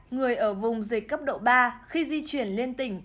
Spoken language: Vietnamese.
người ở vùng dịch cấp độ ba khi di chuyển lên tỉnh